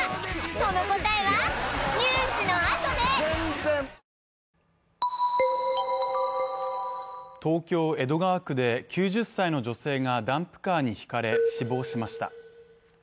その答えはニュースのあとで東京・江戸川区で９０歳の女性がダンプカーにひかれ死亡しました。